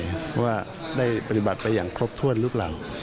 เพราะว่าได้ปฏิบัติไปอย่างครบถ้วนลูกหลัง